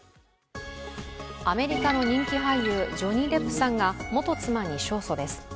アメリカの人気俳優ジョニー・デップさんが元妻に勝訴です。